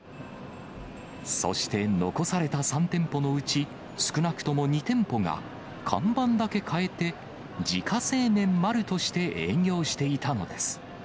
そして残された３店舗のうち、少なくとも２店舗が看板だけ変えて、自家製麺・丸として営業していたのです。